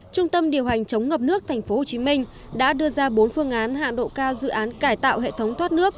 trung tâm điều hành chống ngập nước tp hcm đã đưa ra bốn phương án hạng độ cao dự án cải tạo hệ thống thoát nước